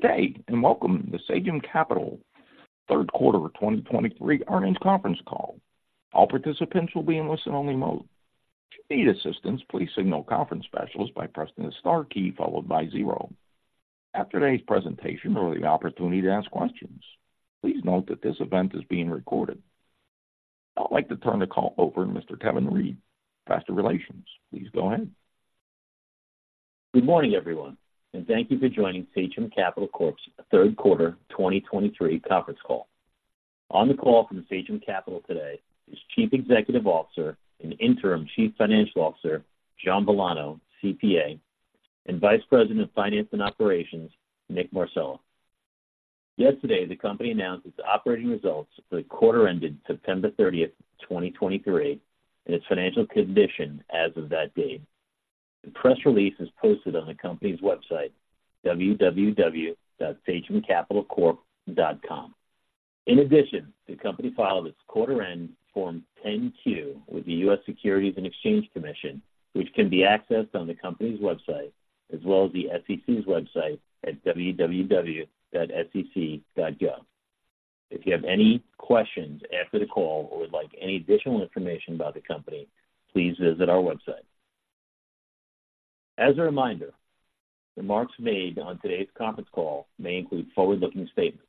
Good day, and welcome to the Sachem Capital Third Quarter 2023 Earnings Conference Call. All participants will be in listen-only mode. If you need assistance, please signal conference specialists by pressing the star key followed by zero. After today's presentation, there will be an opportunity to ask questions. Please note that this event is being recorded. I'd like to turn the call over to Mr. Kevin Reed, Investor Relations. Please go ahead. Good morning, everyone, and thank you for joining Sachem Capital Corp's Third Quarter 2023 Conference Call. On the call from Sachem Capital today is Chief Executive Officer and Interim Chief Financial Officer, John Villano, CPA, and Vice President of Finance and Operations, Nick Marcello. Yesterday, the company announced its operating results for the quarter ended September 30, 2023, and its financial condition as of that date. The press release is posted on the company's website, www.sachemcapitalcorp.com. In addition, the company filed its quarter-end Form 10-Q with the U.S. Securities and Exchange Commission, which can be accessed on the company's website, as well as the SEC's website at www.sec.gov. If you have any questions after the call or would like any additional information about the company, please visit our website. As a reminder, remarks made on today's conference call may include forward-looking statements.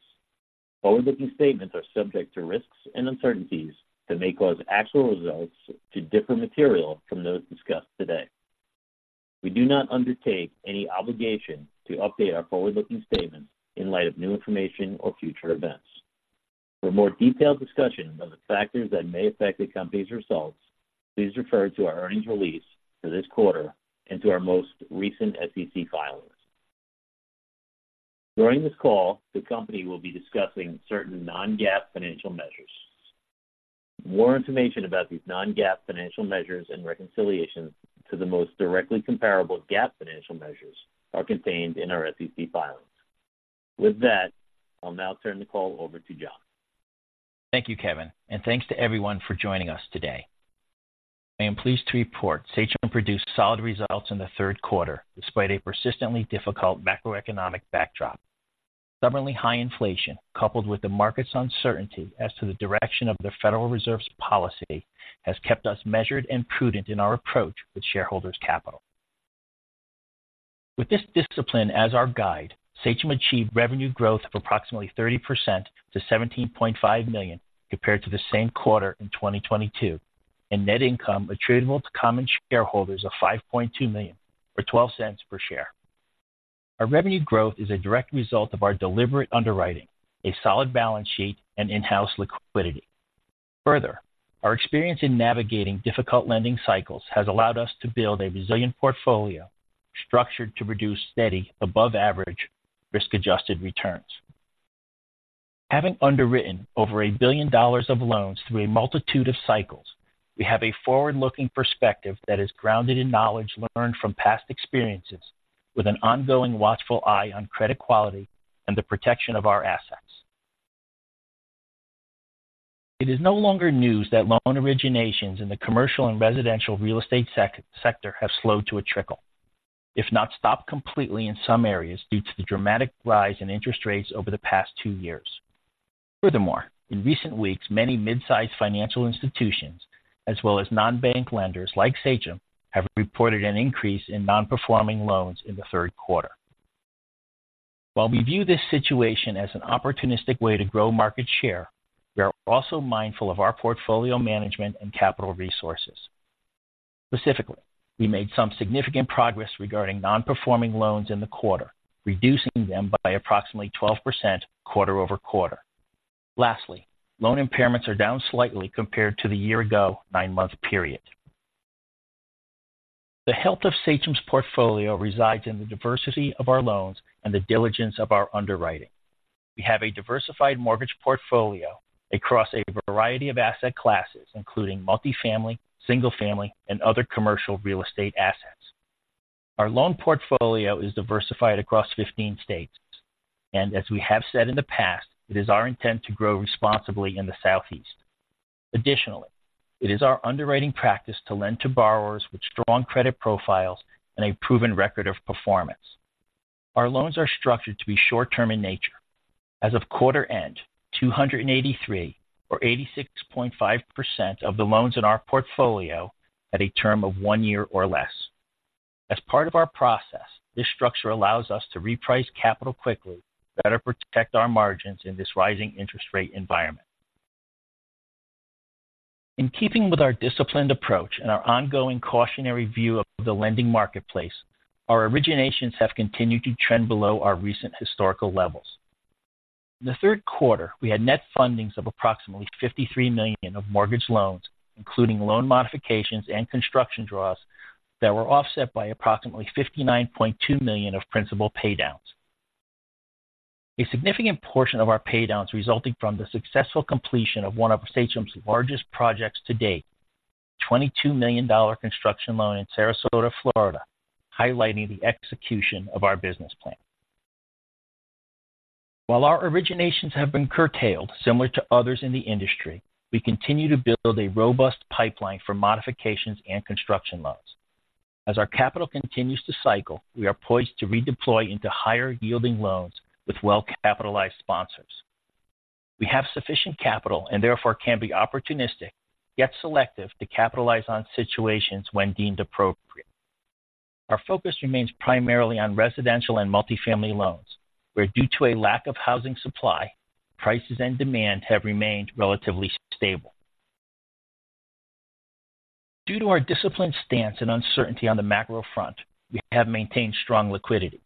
Forward-looking statements are subject to risks and uncertainties that may cause actual results to differ materially from those discussed today. We do not undertake any obligation to update our forward-looking statements in light of new information or future events. For a more detailed discussion of the factors that may affect the company's results, please refer to our earnings release for this quarter and to our most recent SEC filings. During this call, the company will be discussing certain non-GAAP financial measures. More information about these non-GAAP financial measures and reconciliations to the most directly comparable GAAP financial measures are contained in our SEC filings. With that, I'll now turn the call over to John. Thank you, Kevin, and thanks to everyone for joining us today. I am pleased to report Sachem produced solid results in the third quarter despite a persistently difficult macroeconomic backdrop. Stubbornly high inflation, coupled with the market's uncertainty as to the direction of the Federal Reserve's policy, has kept us measured and prudent in our approach with shareholders' capital. With this discipline as our guide, Sachem achieved revenue growth of approximately 30% to $17.5 million compared to the same quarter in 2022, and net income attributable to common shareholders of $5.2 million, or $0.12 per share. Our revenue growth is a direct result of our deliberate underwriting, a solid balance sheet, and in-house liquidity. Further, our experience in navigating difficult lending cycles has allowed us to build a resilient portfolio structured to produce steady, above-average risk-adjusted returns. Having underwritten over $1 billion of loans through a multitude of cycles, we have a forward-looking perspective that is grounded in knowledge learned from past experiences, with an ongoing watchful eye on credit quality and the protection of our assets. It is no longer news that loan originations in the commercial and residential real estate sector have slowed to a trickle, if not stopped completely in some areas, due to the dramatic rise in interest rates over the past two years. Furthermore, in recent weeks, many mid-sized financial institutions, as well as non-bank lenders like Sachem, have reported an increase in non-performing loans in the third quarter. While we view this situation as an opportunistic way to grow market share, we are also mindful of our portfolio management and capital resources. Specifically, we made some significant progress regarding non-performing loans in the quarter, reducing them by approximately 12% quarter-over-quarter. Lastly, loan impairments are down slightly compared to the year-ago nine-month period. The health of Sachem's portfolio resides in the diversity of our loans and the diligence of our underwriting. We have a diversified mortgage portfolio across a variety of asset classes, including multifamily, single-family, and other commercial real estate assets. Our loan portfolio is diversified across 15 states, and as we have said in the past, it is our intent to grow responsibly in the Southeast. Additionally, it is our underwriting practice to lend to borrowers with strong credit profiles and a proven record of performance. Our loans are structured to be short-term in nature. As of quarter end, 283, or 86.5%, of the loans in our portfolio had a term of one year or less. As part of our process, this structure allows us to reprice capital quickly to better protect our margins in this rising interest rate environment. In keeping with our disciplined approach and our ongoing cautionary view of the lending marketplace, our originations have continued to trend below our recent historical levels. In the third quarter, we had net fundings of approximately $53 million of mortgage loans, including loan modifications and construction draws, that were offset by approximately $59.2 million of principal paydowns. A significant portion of our paydowns resulting from the successful completion of one of Sachem's largest projects to date, a $22 million construction loan in Sarasota, Florida, highlighting the execution of our business plan. While our originations have been curtailed, similar to others in the industry, we continue to build a robust pipeline for modifications and construction loans. As our capital continues to cycle, we are poised to redeploy into higher-yielding loans with well-capitalized sponsors. We have sufficient capital and therefore can be opportunistic, yet selective, to capitalize on situations when deemed appropriate. Our focus remains primarily on residential and multifamily loans, where, due to a lack of housing supply, prices and demand have remained relatively stable. Due to our disciplined stance and uncertainty on the macro front, we have maintained strong liquidity.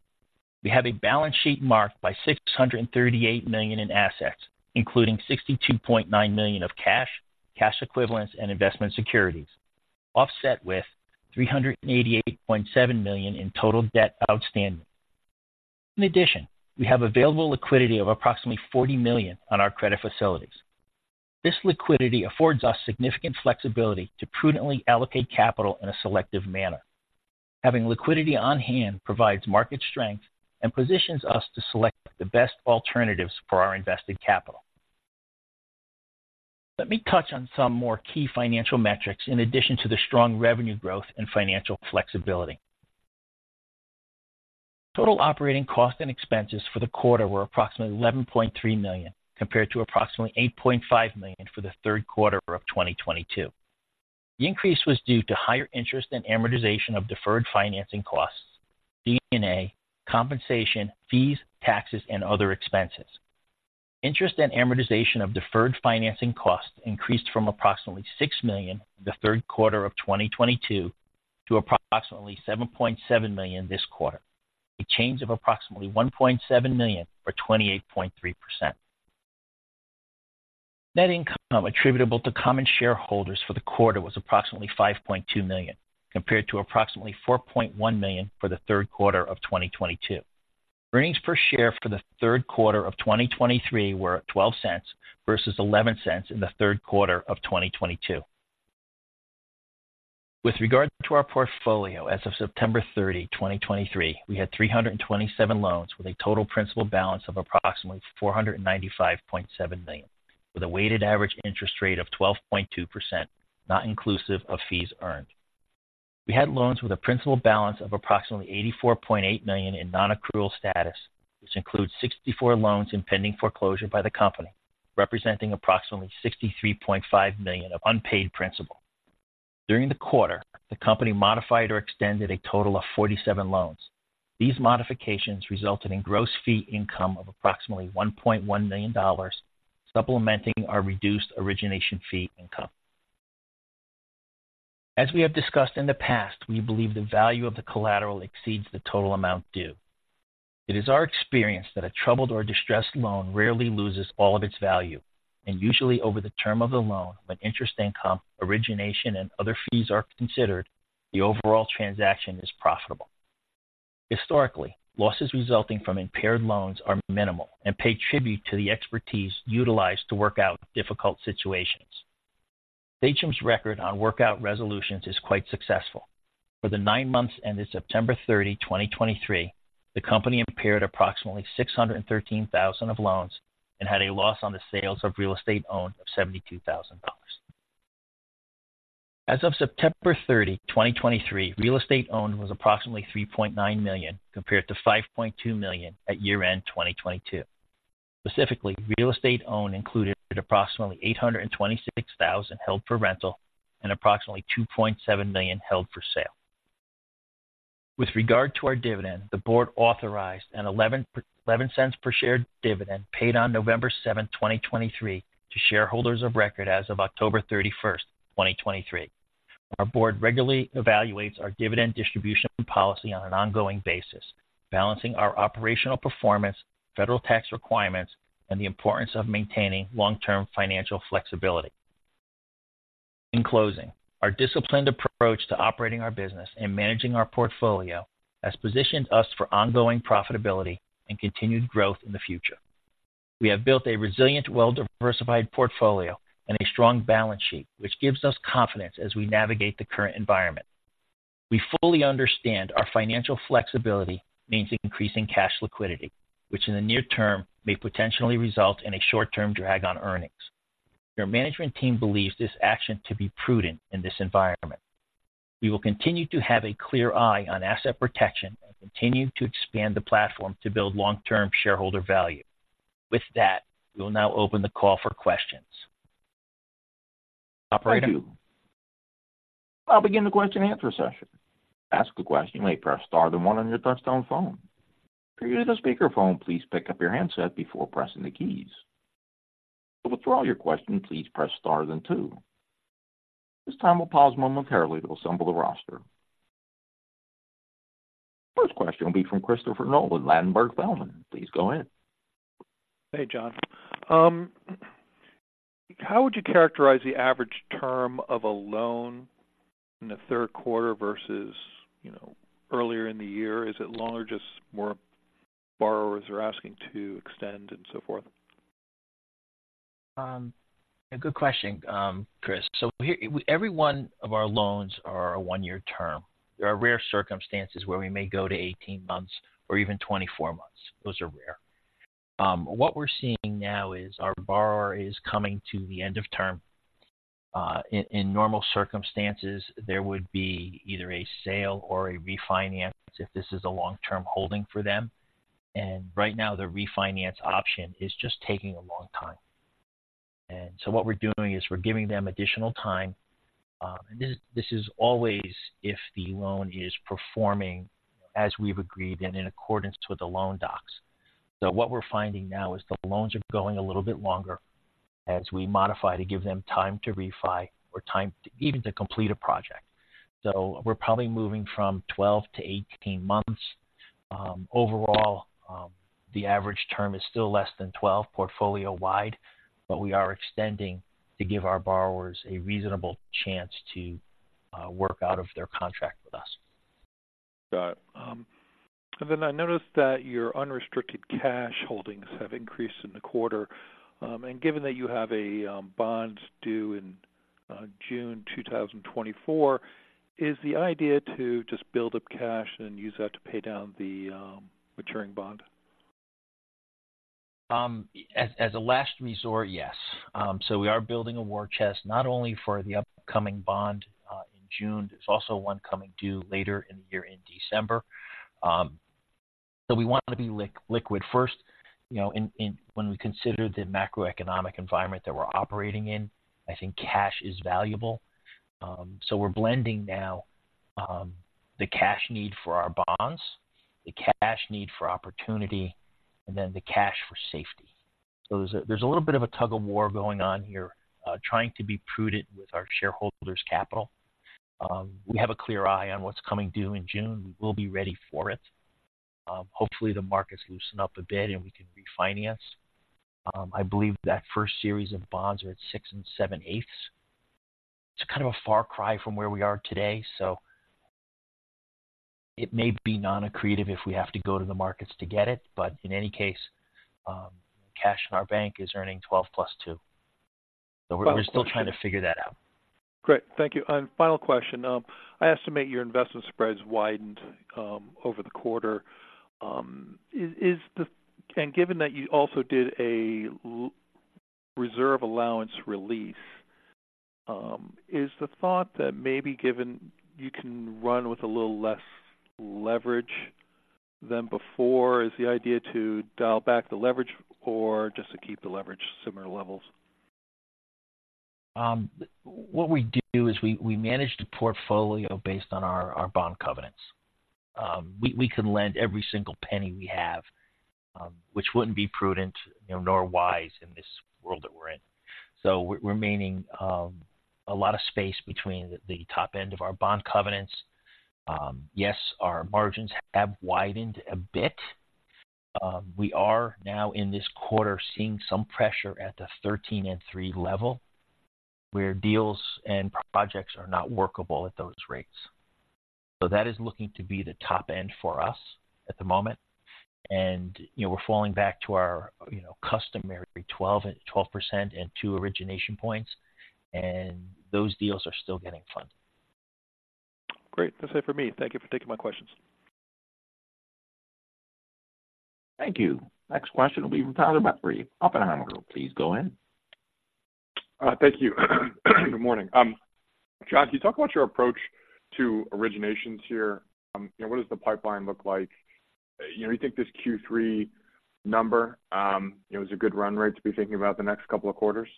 We have a balance sheet marked by $638 million in assets, including $62.9 million of cash, cash equivalents, and investment securities, offset with $388.7 million in total debt outstanding. In addition, we have available liquidity of approximately $40 million on our credit facilities. This liquidity affords us significant flexibility to prudently allocate capital in a selective manner. Having liquidity on hand provides market strength and positions us to select the best alternatives for our invested capital. Let me touch on some more key financial metrics in addition to the strong revenue growth and financial flexibility. Total operating costs and expenses for the quarter were approximately $11.3 million, compared to approximately $8.5 million for the third quarter of 2022. The increase was due to higher interest and amortization of deferred financing costs, D&A, compensation, fees, taxes, and other expenses. Interest and amortization of deferred financing costs increased from approximately $6 million in the third quarter of 2022 to approximately $7.7 million this quarter, a change of approximately $1.7 million, or 28.3%. Net income attributable to common shareholders for the quarter was approximately $5.2 million, compared to approximately $4.1 million for the third quarter of 2022. Earnings per share for the third quarter of 2023 were at $0.12 versus $0.11 in the third quarter of 2022. With regard to our portfolio, as of September 30, 2023, we had 327 loans with a total principal balance of approximately $495.7 million, with a weighted average interest rate of 12.2%, not inclusive of fees earned. We had loans with a principal balance of approximately $84.8 million in non-accrual status, which includes 64 loans in pending foreclosure by the company, representing approximately $63.5 million of unpaid principal. During the quarter, the company modified or extended a total of 47 loans. These modifications resulted in gross fee income of approximately $1.1 million, supplementing our reduced origination fee income. As we have discussed in the past, we believe the value of the collateral exceeds the total amount due. It is our experience that a troubled or distressed loan rarely loses all of its value, and usually over the term of the loan, when interest income, origination, and other fees are considered, the overall transaction is profitable. Historically, losses resulting from impaired loans are minimal and pay tribute to the expertise utilized to work out difficult situations. Sachem's record on workout resolutions is quite successful. For the nine months ended September 30, 2023, the company impaired approximately $613,000 of loans and had a loss on the sales of real estate owned of $72,000. As of September 30, 2023, real estate owned was approximately $3.9 million, compared to $5.2 million at year-end 2022. Specifically, real estate owned included approximately $826,000 held for rental and approximately $2.7 million held for sale. With regard to our dividend, the Board authorized an $0.11 per share dividend paid on November 7th, 2023, to shareholders of record as of October 31st, 2023. Our Board regularly evaluates our dividend distribution policy on an ongoing basis, balancing our operational performance, federal tax requirements, and the importance of maintaining long-term financial flexibility. In closing, our disciplined approach to operating our business and managing our portfolio has positioned us for ongoing profitability and continued growth in the future. We have built a resilient, well-diversified portfolio and a strong balance sheet, which gives us confidence as we navigate the current environment. We fully understand our financial flexibility means increasing cash liquidity, which in the near term may potentially result in a short-term drag on earnings. Our management team believes this action to be prudent in this environment. We will continue to have a clear eye on asset protection and continue to expand the platform to build long-term shareholder value. With that, we will now open the call for questions. Operator? Thank you. I'll begin the question-and answer-session. To ask a question, you may press star then one on your touchtone phone. If you're using a speakerphone, please pick up your handset before pressing the keys. To withdraw your question, please press star then two. This time, we'll pause momentarily to assemble the roster. First question will be from Christopher Nolan with Ladenburg Thalmann. Please go ahead. Hey, John. How would you characterize the average term of a loan in the third quarter versus, you know, earlier in the year? Is it longer, just more borrowers are asking to extend and so forth? A good question, Chris. So here, every one of our loans are a one-year term. There are rare circumstances where we may go to 18 months or even 24 months. Those are rare. What we're seeing now is our borrower is coming to the end of term. In normal circumstances, there would be either a sale or a refinance if this is a long-term holding for them. Right now, the refinance option is just taking a long time, so what we're doing is we're giving them additional time. and this is always if the loan is performing as we've agreed and in accordance with the loan docs. So what we're finding now is the loans are going a little bit longer as we modify to give them time to refi or time to even to complete a project. So we're probably moving from 12 months-18 months. Overall, the average term is still less than 12 portfolio-wide, but we are extending to give our borrowers a reasonable chance to work out of their contract with us. Got it and then I noticed that your unrestricted cash holdings have increased in the quarter. Given that you have a bond due in June 2024, is the idea to just build up cash and use that to pay down the maturing bond? As a last resort, yes. So we are building a war chest, not only for the upcoming bond in June, there's also one coming due later in the year, in December. So we want to be liquid first. You know, when we consider the macroeconomic environment that we're operating in, I think cash is valuable. So we're blending now, the cash need for our bonds, the cash need for opportunity, and then the cash for safety. So there's a little bit of a tug-of-war going on here, trying to be prudent with our shareholders' capital. We have a clear eye on what's coming due in June. We will be ready for it. Hopefully, the markets loosen up a bit, and we can refinance. I believe that first series of bonds are at 6.875%. It's kind of a far cry from where we are today, so it may be non-accretive if we have to go to the markets to get it. But in any case, cash in our bank is earning 12 + 2. So we're still trying to figure that out. Great. Thank you and final question. I estimate your investment spreads widened over the quarter. And given that you also did a reserve allowance release, is the thought that maybe given you can run with a little less leverage than before? Is the idea to dial back the leverage or just to keep the leverage similar levels? What we do is we manage the portfolio based on our bond covenants. We can lend every single penny we have, which wouldn't be prudent, you know, nor wise in this world that we're in. So we're remaining a lot of space between the top end of our bond covenants. Yes, our margins have widened a bit. We are now in this quarter seeing some pressure at the 13 and three level, where deals and projects are not workable at those rates. So that is looking to be the top end for us at the moment and, you know, we're falling back to our, you know, customary 12 and 12% and 2 origination points, and those deals are still getting funded. Great. That's it for me. Thank you for taking my questions. Thank you. Next question will be from Tyler Batory, Oppenheimer. Please go ahead. Thank you. Good morning. John, can you talk about your approach to originations here? You know, what does the pipeline look like? You know, you think this Q3 number, you know, is a good run rate to be thinking about the next couple of quarters?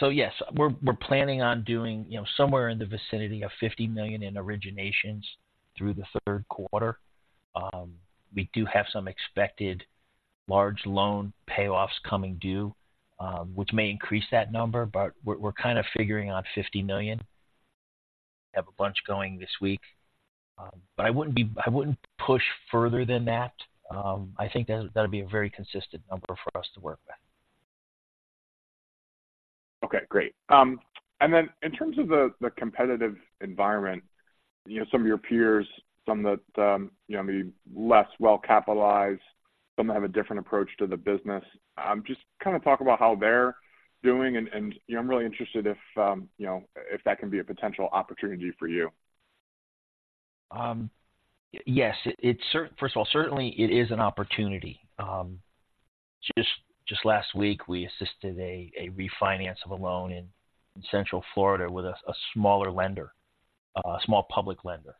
So yes, we're planning on doing, you know, somewhere in the vicinity of $50 million in originations through the third quarter. We do have some expected large loan payoffs coming due, which may increase that number, but we're kind of figuring out $50 million. We have a bunch going this week. But I wouldn't push further than that. I think that'll be a very consistent number for us to work with. Okay, great and then in terms of the, the competitive environment, you know, some of your peers, some that, you know, maybe less well-capitalized, some have a different approach to the business. Just kind of talk about how they're doing, and, and, you know, I'm really interested if, you know, if that can be a potential opportunity for you. Yes, first of all, certainly it is an opportunity. Just last week, we assisted a refinance of a loan in Central Florida with a smaller lender, a small public lender.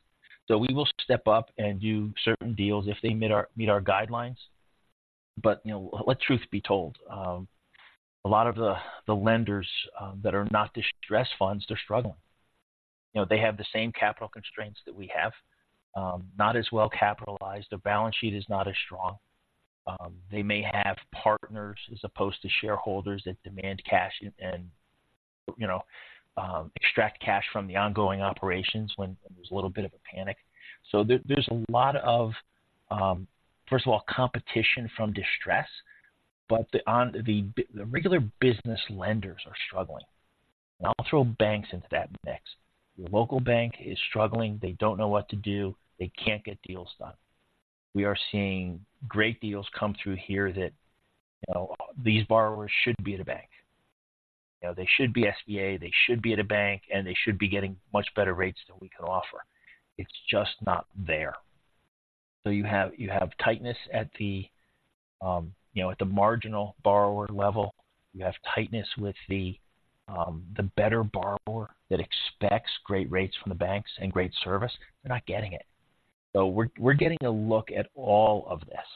So we will step up and do certain deals if they meet our guidelines. But, you know, let truth be told, a lot of the lenders that are not distress funds, they're struggling. You know, they have the same capital constraints that we have, not as well capitalized. Their balance sheet is not as strong. They may have partners, as opposed to shareholders, that demand cash and, you know, extract cash from the ongoing operations when there's a little bit of a panic. So there's a lot of, first of all, competition from distress, but the on....the regular business lenders are struggling. I'll throw banks into that mix, your local bank is struggling, they don't know what to do, they can't get deals done. We are seeing great deals come through here that, you know, these borrowers should be at a bank. You know, they should be SBA, they should be at a bank, and they should be getting much better rates than we can offer. It's just not there. So you have tightness at the, you know, at the marginal borrower level. You have tightness with the better borrower that expects great rates from the banks and great service, they're not getting it. So we're getting a look at all of this,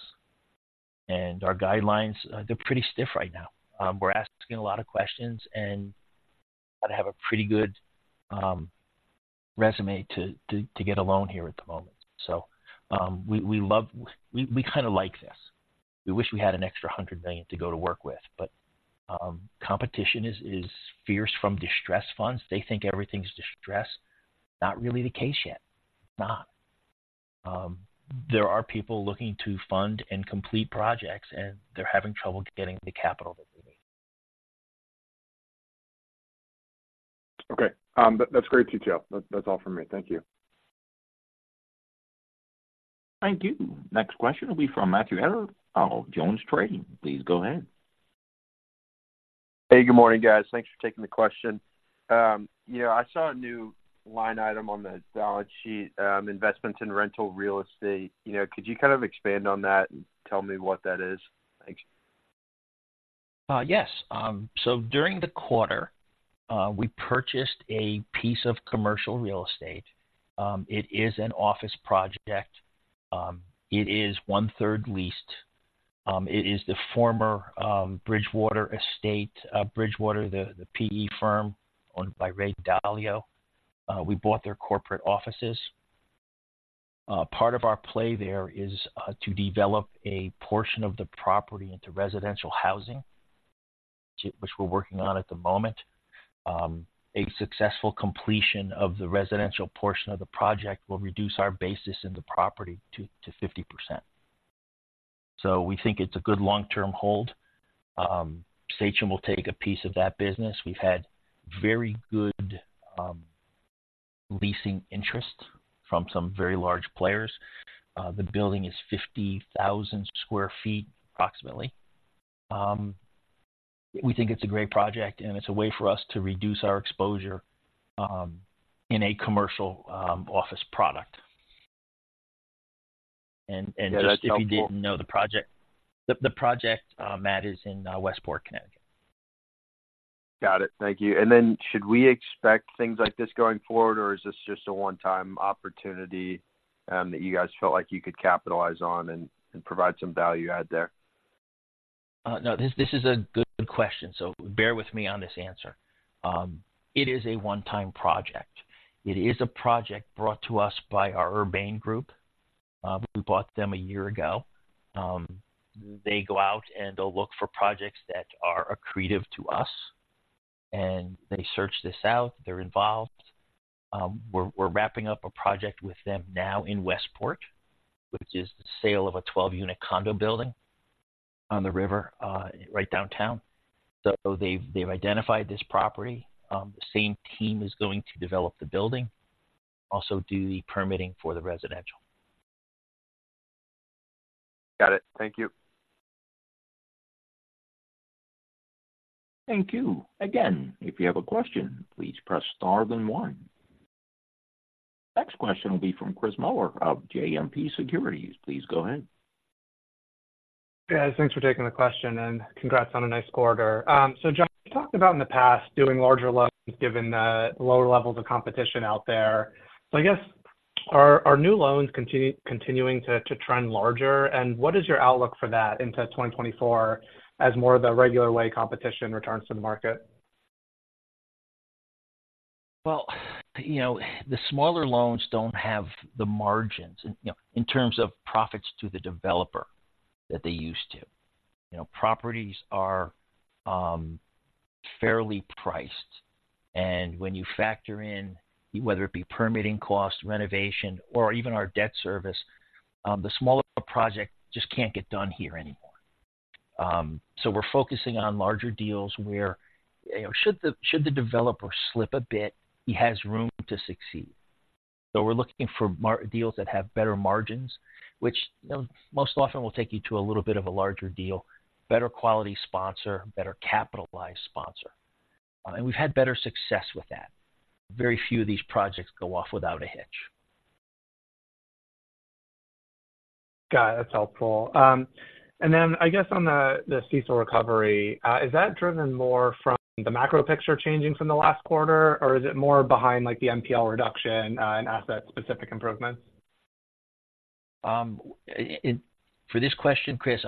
and our guidelines, they're pretty stiff right now. We're asking a lot of questions, and you've got to have a pretty good resume to get a loan here at the moment. So, we kind of like this. We wish we had an extra $100 million to go to work with, but competition is fierce from distressed funds. They think everything's distressed. Not really the case yet. It's not. There are people looking to fund and complete projects, and they're having trouble getting the capital that they need. Okay. That's great detail. That, that's all from me. Thank you. Thank you. Next question will be from Matthew Erdner of JonesTrading. Please go ahead. Hey, good morning, guys. Thanks for taking the question. Yeah, I saw a new line item on the balance sheet, investments in rental real estate. You know, could you kind of expand on that and tell me what that is? Thanks. Yes. So during the quarter, we purchased a piece of commercial real estate. It is an office project. It is one-third leased. It is the former Bridgewater estate. Bridgewater, the PE firm owned by Ray Dalio. We bought their corporate offices. Part of our play there is to develop a portion of the property into residential housing, which we're working on at the moment. A successful completion of the residential portion of the project will reduce our basis in the property to 50%. So we think it's a good long-term hold. Sachem will take a piece of that business. We've had very good leasing interest from some very large players. The building is 50,000 sq ft, approximately. We think it's a great project, and it's a way for us to reduce our exposure in a commercial office product. Yeah, that's helpful. Just if you didn't know the project, Matt, is in Westport, Connecticut. Got it. Thank you and then should we expect things like this going forward, or is this just a one-time opportunity, that you guys felt like you could capitalize on and provide some value add there? No, this, this is a good question, so bear with me on this answer. It is a one-time project. It is a project brought to us by our Urbane group. We bought them a year ago. They go out, and they'll look for projects that are accretive to us, and they search this out. They're involved. We're, we're wrapping up a project with them now in Westport, which is the sale of a 12-unit condo building on the river, right downtown. So they've, they've identified this property. The same team is going to develop the building, also do the permitting for the residential. Got it. Thank you. Thank you. Again, if you have a question, please press Star, then one. Next question will be from Chris Muller of JMP Securities. Please go ahead. Yeah, thanks for taking the question, and congrats on a nice quarter. So John, you talked about in the past, doing larger loans, given the lower levels of competition out there. So I guess, are new loans continuing to trend larger, and what is your outlook for that into 2024 as more of the regular way competition returns to the market? Well, you know, the smaller loans don't have the margins, you know, in terms of profits to the developer, that they used to. You know, properties are fairly priced, and when you factor in, whether it be permitting costs, renovation, or even our debt service, the smaller project just can't get done here anymore. So we're focusing on larger deals where, you know, should the developer slip a bit, he has room to succeed. So we're looking for deals that have better margins, which, you know, most often will take you to a little bit of a larger deal, better quality sponsor, better capitalized sponsor. And we've had better success with that. Very few of these projects go off without a hitch. Got it. That's helpful. Then I guess on the CECL recovery, is that driven more from the macro picture changing from the last quarter, or is it more behind, like, the NPL reduction, and asset-specific improvements? For this question, Chris,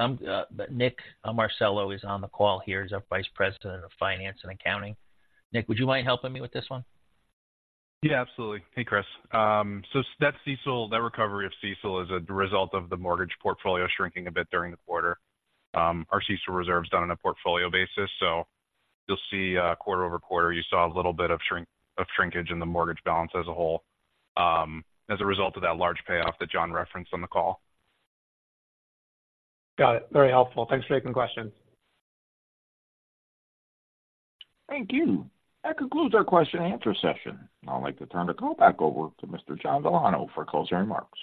Nick Marcello is on the call here. He's our Vice President of Finance and Accounting. Nick, would you mind helping me with this one? Yeah, absolutely. Hey, Chris. So that CECL, that recovery of CECL is a result of the mortgage portfolio shrinking a bit during the quarter. Our CECL reserve's done on a portfolio basis, so you'll see, quarter-over-quarter, you saw a little bit of shrink, of shrinkage in the mortgage balance as a whole, as a result of that large payoff that John referenced on the call. Got it. Very helpful. Thanks for taking the question. Thank you. That concludes our question and answer session. I'd like to turn the call back over to Mr. John Villano for closing remarks.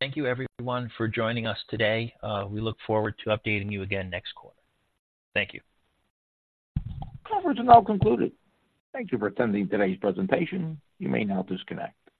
Thank you, everyone, for joining us today. We look forward to updating you again next quarter. Thank you. Conference is now concluded. Thank you for attending today's presentation. You may now disconnect.